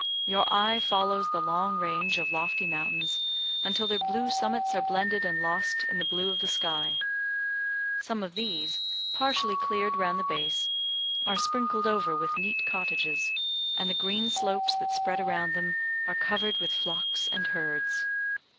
Your eye follows the long range of lofty mountains until their blue summits are blended and lost in the blue of the sky. Some of these, partially cleared round the base, are sprinkled over with neat cottages; and the green slopes that spread around them are covered with flocks and herds.